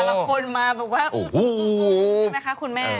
ละคนมาแบบว่าโอ้โหใช่ไหมคะคุณแม่